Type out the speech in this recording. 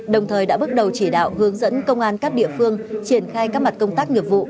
đồng thời đã bước đầu chỉ đạo hướng dẫn công an các địa phương triển khai các mặt công tác nghiệp vụ